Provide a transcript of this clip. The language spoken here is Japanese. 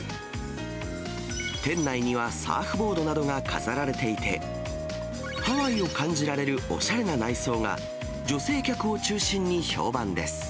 店内にはサーフボードなどが飾られていて、ハワイを感じられるおしゃれな内装が、女性客を中心に評判です。